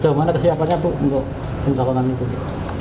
sejauh mana kesiapannya untuk pencalonan itu